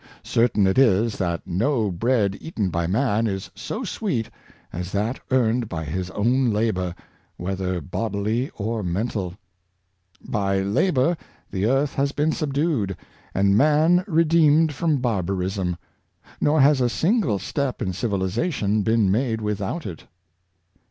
Certain it is that no bread eaten by man is so sweet as that earned by his own labor, whether bodily or mental. By labor the earth has been subdued , and man redeemed from bar barism; nor has a single step in civilization been made without it.